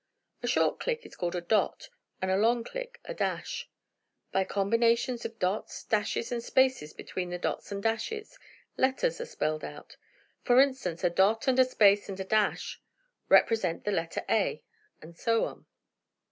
A short click is called a dot, and a long click a dash. By combinations of dots, dashes, and spaces between the dots and dashes, letters are spelled out. For instance, a dot and a space and a dash, represent the letter 'A' and so on."